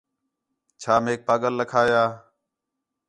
چَھا میک پاڳل لَکھایا